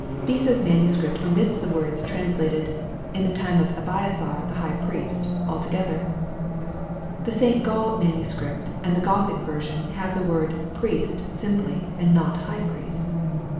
Beza's manuscript omits the words translated, " in the tune of Abiathar the High Priest," altogether. The St. Gall manuscript and the Gothic version have the word " Priest" simply, and not " High Priest."